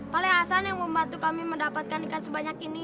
pale hasan yang membantu kami mendapatkan ikan sebanyak ini